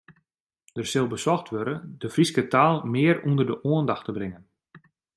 Der sil besocht wurde de Fryske taal mear ûnder de oandacht te bringen.